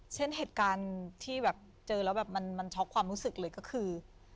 เช่นเหตุการณ์ที่แบบเจอแล้วแบบมันช็อกความรู้สึกเลยก็คือ